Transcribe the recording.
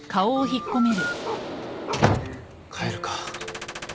帰るか。